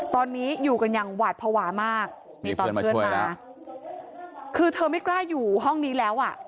ตอนนี้อยู่กันอย่างหวาดภาวะมากมีตอนเพื่อนมาคือเธอไม่กล้าอยู่ห้องนี้แล้วอ่ะ